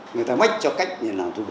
người ta mách cho cách nhìn làm tu bổ